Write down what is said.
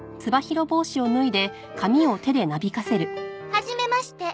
はじめまして。